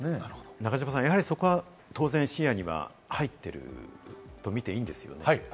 中島さん、そこは当然視野に入っていると見ていいんですよね？